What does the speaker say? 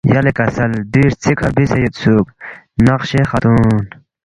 یلے کسل دووی ہرژے کھہ ربیسے یودسُوک، ”نقشِ خاتون“